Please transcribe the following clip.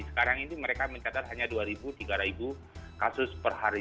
sekarang ini mereka mencatat hanya dua tiga kasus per hari